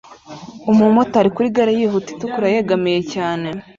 Umumotari kuri gare yihuta itukura yegamiye cyane